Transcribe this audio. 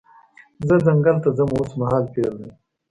زه ځنګل ته ځم اوس مهال فعل دی.